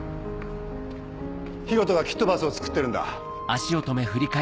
広翔がキットパスを作ってるんだ。